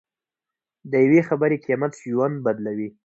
د یوې خبرې قیمت ژوند بدلوي.